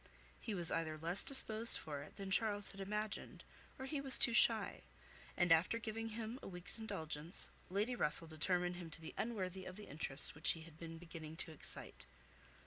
He was either less disposed for it than Charles had imagined, or he was too shy; and after giving him a week's indulgence, Lady Russell determined him to be unworthy of the interest which he had been beginning to excite.